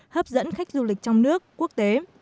hấp dẫn khách du lịch trong nước quốc tế